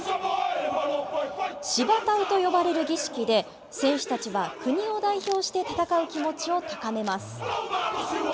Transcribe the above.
シバタウと呼ばれる儀式で、選手たちは国を代表して戦う気持ちを高めます。